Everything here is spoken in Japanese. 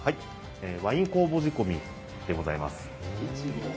ワイン酵母仕込みでございます。